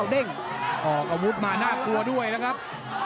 เด้งออกอาวุธมาน่ากลัวด้วยนะครับ